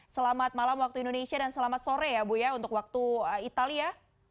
selamat malam waktu indonesia dan selamat sore ya bu ya untuk waktu italia